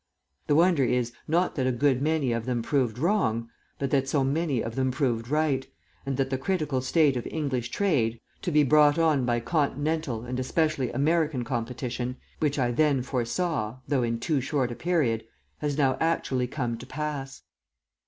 The wonder is, not that a good many of them proved wrong, but that so many of them have proved right, and that the critical state of English trade, to be brought on by Continental and especially American competition, which I then foresaw though in too short a period has now actually come to pass.